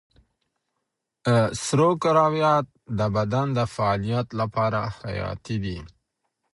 سرو کرویات د بدن د فعالیت لپاره حیاتي دي.